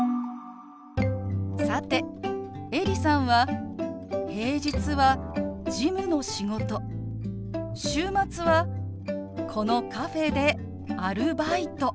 さてエリさんは平日は事務の仕事週末はこのカフェでアルバイト。